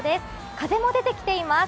風も出てきています。